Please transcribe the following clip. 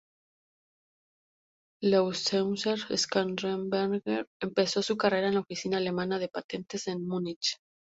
Leutheusser-Schnarrenberger empezó su carrera en la Oficina Alemana de Patentes en Múnich.